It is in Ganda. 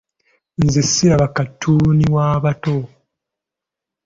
Nze siraba katuuni w'abaana bato.